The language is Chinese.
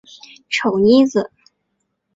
丑妮子。